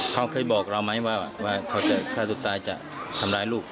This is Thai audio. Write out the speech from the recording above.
เขาเคยบอกเราไหมว่าเขาจะฆ่าตัวตายจะทำร้ายลูก